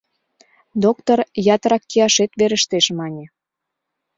Доктор «ятырак кияшет верештеш» мане.